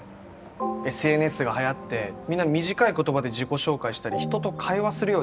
ＳＮＳが流行ってみんな短い言葉で自己紹介したり人と会話するようになったって。